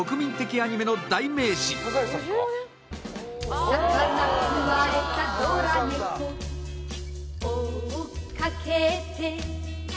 「お魚くわえたドラ猫追っかけて」